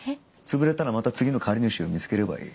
潰れたらまた次の借り主を見つければいい。